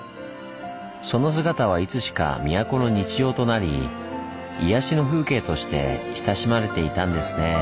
その姿はいつしか都の日常となり「癒やしの風景」として親しまれていたんですねぇ。